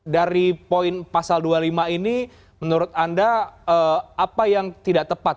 dari poin pasal dua puluh lima ini menurut anda apa yang tidak tepat